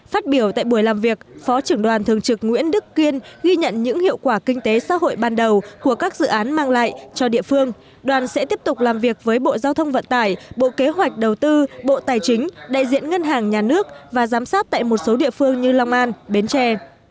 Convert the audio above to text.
phát biểu tại buổi làm việc phó trưởng đoàn thường trực nguyễn đức kiên ghi nhận những hiệu quả kinh tế xã hội ban đầu của các dự án mang lại cho địa phương đoàn sẽ tiếp tục làm việc với bộ giao thông vận tải bộ kế hoạch đầu tư bộ tài chính đại diện ngân hàng nhà nước và giám sát tại một số địa phương như long an bến tre